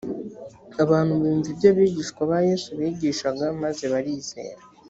abantu bumva ibyo abigishwa ba yesu bigishaga, maze barizera